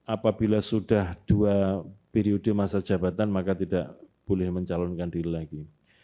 apabila sudah dua periode masa jabatan maka tidak boleh mencalonkan diri lagi